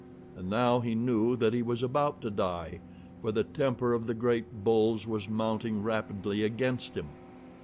And now he knew that he was about to die, for the temper of the great bulls was mounting rapidly against him.